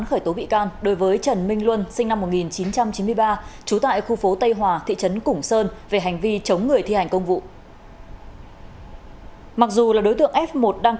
khởi tố bị can đối với trần minh luân sinh năm một nghìn chín trăm chín mươi ba trú tại khu phố tây hòa thị trường đà nẵng